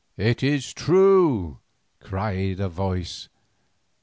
"It is true," cried a voice.